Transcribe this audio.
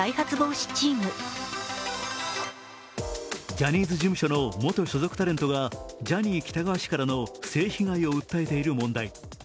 ジャニーズ事務所の元所属タレントがジャニー喜多川氏からの性被害を訴えている問題。